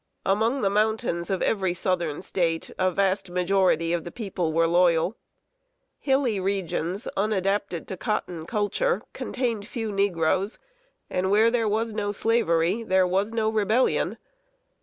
Among the mountains of every Southern State, a vast majority of the people were loyal. Hilly regions, unadapted to cotton culture, contained few negroes; and where there was no Slavery, there was no Rebellion.